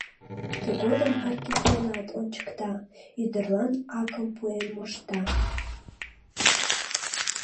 Тыгодым Аркитланат ончыкта: ӱдырлан акым пуэн мошта.